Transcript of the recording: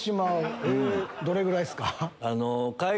どれぐらいですか？